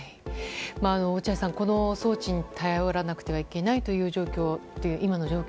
落合さん、この装置に頼らなくてはいけないという今の状況